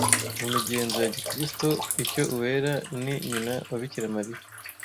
Mu migenzo ya gikristo icyo Uwera ni nyina wa Bikira Mariya